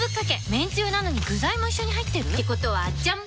めんつゆなのに具材も一緒に入ってる！ってことはじゃん！